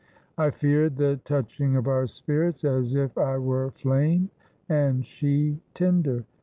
I feared the touching of our spirits, as if I were flame and she tinder.